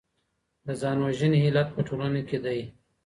د ځان وژنې علت په ټولنه کي دی.